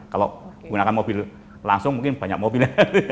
kalau menggunakan mobil langsung mungkin banyak mobil ya